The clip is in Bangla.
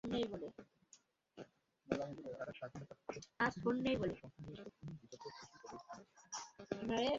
তারা স্বাধীনতার ঘোষক, মুক্তিযুদ্ধে শহীদের সংখ্যা নিয়ে তথ্যহীন বিতর্ক সৃষ্টি করেই ক্ষান্ত থাকেনি।